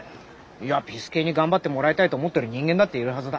いやピス健に頑張ってもらいたいと思ってる人間だっているはずだ。